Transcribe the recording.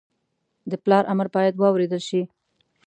د پلار امر باید واورېدل شي